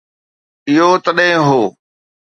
اهو تڏهن هو.